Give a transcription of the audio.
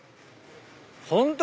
ホント。